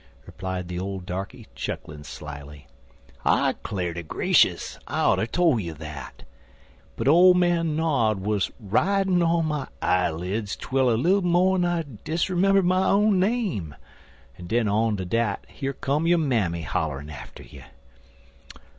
replied the old darkey, chuckling slyly. "I 'clar ter grashus I ought er tole you dat, but old man Nod wuz ridin' on my eyeleds 'twel a leetle mo'n I'd a dis'member'd my own name, en den on to dat here come yo mammy hollerin' atter you.